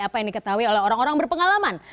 apa yang diketahui oleh orang orang berpengalaman